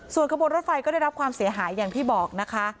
ส่วนขบวนรถไฟก็ได้รับความเสียหายอย่างที่บอกนะคะ